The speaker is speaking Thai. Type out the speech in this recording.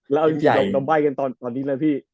แล้วเอาอีกน้ำใบกันตอนนี้เลยพี่